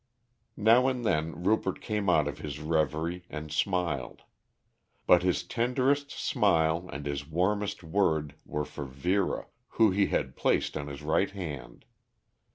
Now and then Rupert came out of his reverie and smiled. But his tenderest smile and his warmest word were for Vera, who he had placed on his right hand.